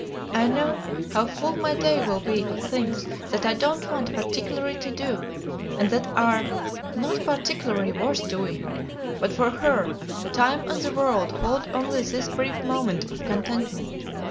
I know how full my day will be of things that I don't want particularly to do, and that are not particularly worth doing; but for her, time and the world hold only this brief moment of contentment.